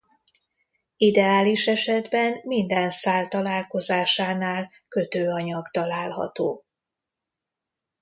Ideális esetben minden szál találkozásánál kötőanyag található.